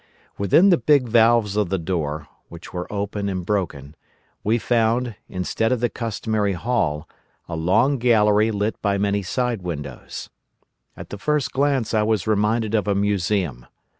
"Within the big valves of the door—which were open and broken—we found, instead of the customary hall, a long gallery lit by many side windows. At the first glance I was reminded of a museum.